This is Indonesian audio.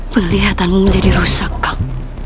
pelihatanmu menjadi rusak kang